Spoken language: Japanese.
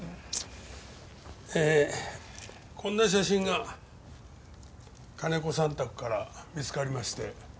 ええこんな写真が金子さん宅から見つかりまして。